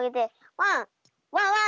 ワンワンワン！